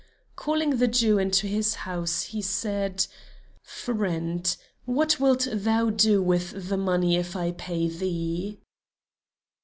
Calling the Jew into his house, he said: "Friend, what wilt thou do with the money if I pay thee?"